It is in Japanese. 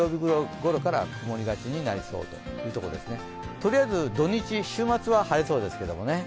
とりあえず土日週末は、晴れそうですけどね。